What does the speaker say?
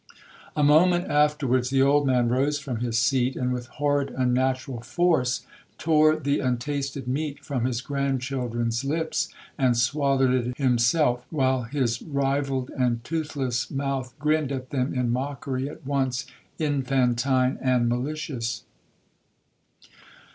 A moment afterwards the old man rose from his seat, and with horrid unnatural force, tore the untasted meat from his grandchildren's lips, and swallowed it himself, while his rivelled and toothless mouth grinned at them in mockery at once infantine and malicious.